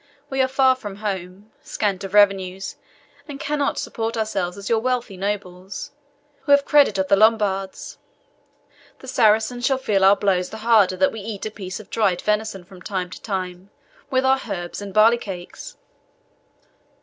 We are far from home, scant of revenues, and cannot support ourselves as your wealthy nobles, who have credit of the Lombards. The Saracens shall feel our blows the harder that we eat a piece of dried venison from time to time with our herbs and barley cakes."